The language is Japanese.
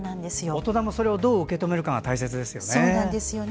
大人もそれをどう受け止めるかが大切ですよね。